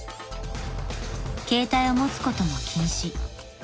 ［携帯を持つことも禁止］